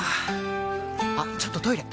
あっちょっとトイレ！